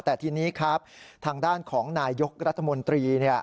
แต่ทีนี้ครับทางด้านของนายยกรัฐมนตรี